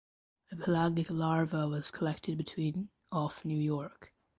A pelagic larva was collected between off New York.